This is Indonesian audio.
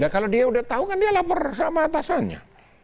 kalau dia udah tahu kan dia lapor sama atasannya